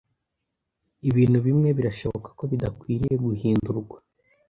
Ibintu bimwe birashoboka ko bidakwiriye guhindurwa.